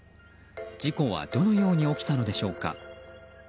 事故はどのように起きたのでしょうか？